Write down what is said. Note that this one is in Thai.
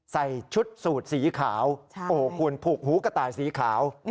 ใส่ชุดสูตรสีขาวโอ้โหคุณผูกหูกระต่ายสีขาว